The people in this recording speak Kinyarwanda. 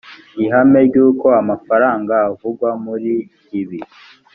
ihame ry uko amafaranga avugwa muri ibi